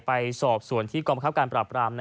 ไปสอบสวนที่ปราปราม